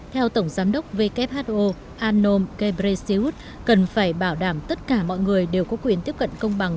theo tổng giám đốc who anom kebreziut cần phải bảo đảm tất cả mọi người đều có quyền tiếp cận công bằng